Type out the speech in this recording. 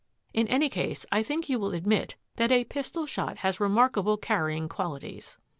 In any case, I think you will admit that a pistol shot has remarkable carrying qualities."